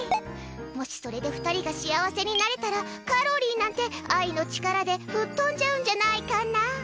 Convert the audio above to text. もし、それで２人が幸せになれたらカロリーなんて愛の力で吹っ飛んじゃうんじゃないかな。